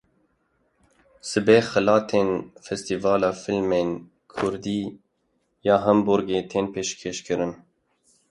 Sibe xelatên Festîvala Fîlmên Kurdî ya Hamburgê tên pêşkêşkirin.